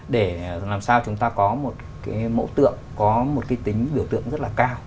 để làm sao chúng ta có một cái mẫu tượng có một cái tính biểu tượng rất là cao